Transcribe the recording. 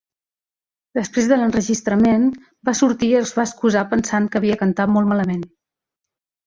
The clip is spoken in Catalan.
Després de l'enregistrament, va sortir i es va excusar pensat que havia cantat molt malament.